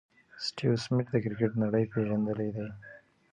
سټیو سميټ د کرکټ نړۍ پېژندلی دئ.